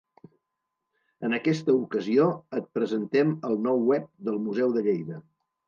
En aquesta ocasió et presentem el nou web del Museu de Lleida.